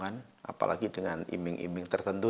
apalagi dengan iming iming tertentu